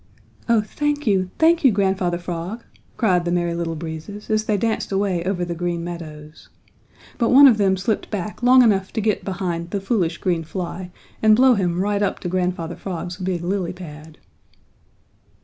"Oh thank you, thank you, Grandfather Frog," cried the Merry Little Breezes as they danced away over the Green Meadows. But one of them slipped back long enough to get behind the foolish green fly and blow him right up to Grandfather Frog's big lily pad.